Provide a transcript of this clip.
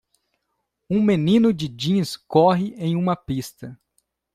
Um menino de jeans corre em uma pista.